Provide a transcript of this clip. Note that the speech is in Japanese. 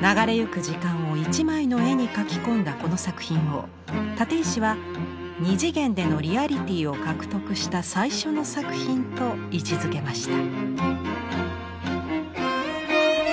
流れゆく時間を１枚の絵に描き込んだこの作品を立石は「二次元でのリアリティーを獲得した最初の作品」と位置づけました。